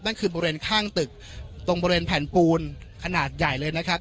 บริเวณข้างตึกตรงบริเวณแผ่นปูนขนาดใหญ่เลยนะครับ